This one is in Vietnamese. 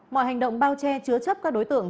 mọi hành động bao che chứa chấp các đối tượng